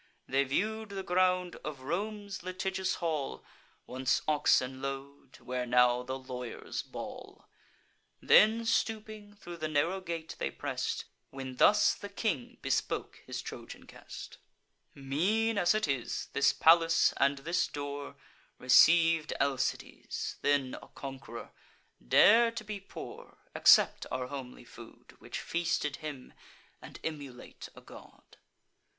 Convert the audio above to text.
They view'd the ground of Rome's litigious hall; (Once oxen low'd, where now the lawyers bawl;) Then, stooping, thro' the narrow gate they press'd, When thus the king bespoke his Trojan guest: "Mean as it is, this palace, and this door, Receiv'd Alcides, then a conqueror. Dare to be poor; accept our homely food, Which feasted him, and emulate a god."